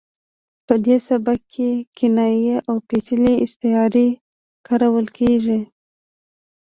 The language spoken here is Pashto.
په دې سبک کې کنایې او پیچلې استعارې کارول کیږي